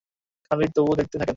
খালিদ তবুও দেখতে থাকেন।